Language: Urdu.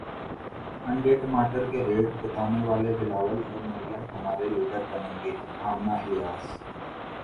انڈے ٹماٹر کے ریٹ بتانے والے بلاول اور مریم ہمارے لیڈر بنیں گے امنہ الیاس